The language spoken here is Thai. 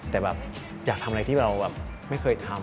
แต่อยากทำอะไรที่เราไม่เคยทำ